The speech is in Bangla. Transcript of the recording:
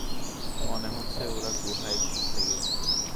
মনে হচ্ছে ওরা গুহায় ঘুরতে গেছে।